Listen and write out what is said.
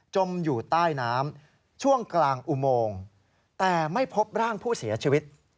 มอยู่ใต้น้ำช่วงกลางอุโมงแต่ไม่พบร่างผู้เสียชีวิต